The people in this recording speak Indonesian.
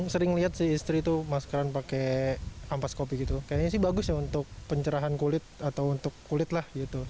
sering lihat si istri itu maskeran pakai ampas kopi gitu kayaknya sih bagus ya untuk pencerahan kulit atau untuk kulit lah gitu